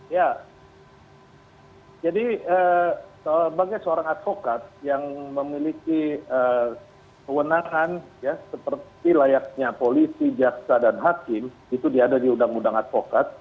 ya jadi sebagai seorang advokat yang memiliki kewenangan ya seperti layaknya polisi jaksa dan hakim itu diada di undang undang advokat